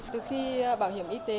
từ khi bảo hiểm y tế